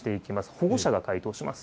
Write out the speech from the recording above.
保護者が回答します。